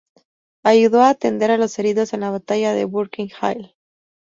Ayudó a atender a los heridos en la batalla de Bunker Hill.